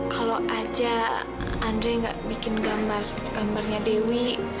kalau aja andre gak bikin gambar gambarnya dewi